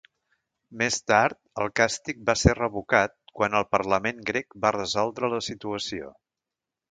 Més tard, el càstig va ser revocat quan el parlament grec va resoldre la situació.